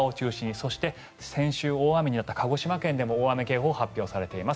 そして、先週大雨になった鹿児島県でも大雨警報が発表されています。